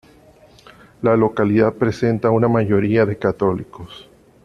La localidad presenta una mayoría de católicos.